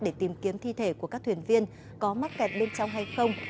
để tìm kiếm thi thể của các thuyền viên có mắc kẹt bên trong hay không